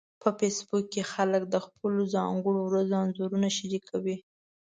په فېسبوک کې خلک د خپلو ځانګړو ورځو انځورونه شریکوي